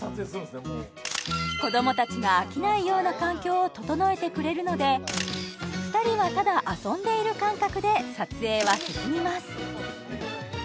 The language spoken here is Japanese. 子どもたちが飽きないような環境を整えてくれるので２人はただ遊んでいる感覚で撮影は進みます